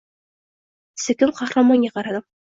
Sekin Qahramonga qaradim.